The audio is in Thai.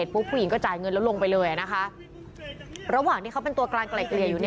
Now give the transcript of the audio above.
ผู้หญิงก็จ่ายเงินแล้วลงไปเลยนะคะระหว่างที่เขาเป็นตัวกลางไกล่เกลี่ยอยู่